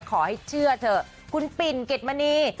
ขอให้เชื่อเถอะคุณปิ่นกฤทธิมานี